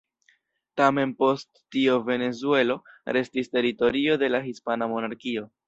Tamen post tio Venezuelo restis teritorio de la hispana monarkio.